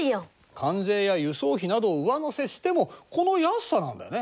関税や輸送費などを上乗せしてもこの安さなんだよね。